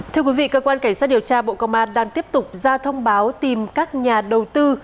thưa quý vị cơ quan cảnh sát điều tra bộ công an đang tiếp tục ra thông báo tìm các nhà đầu tư